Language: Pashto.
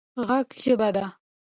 ږغ ژبه ده